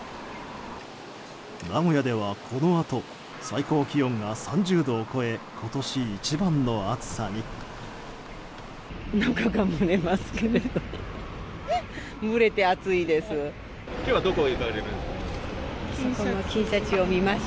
名古屋ではこのあと最高気温が３０度を超え今年一番の暑さに。